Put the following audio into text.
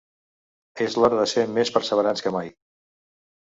És l’hora de ser més perseverants que mai.